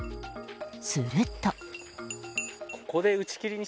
すると。